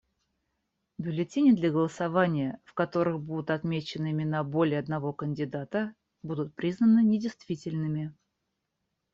Бюллетени для голосования, в которых будут отмечены имена более одного кандидата, будут признаны недействительными.